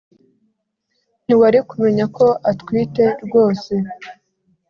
Ntiwari kumenya ko atwite rwose